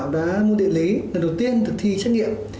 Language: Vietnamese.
của môn địa lý lần đầu tiên được thi trắc nghiệm